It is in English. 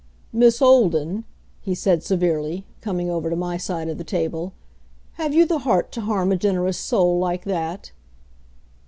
"Miss Olden," he said severely, coming over to my side of the table, "have you the heart to harm a generous soul like that?"